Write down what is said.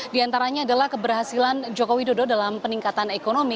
di antaranya adalah keberhasilan jokowi dodo dalam peningkatan ekonomi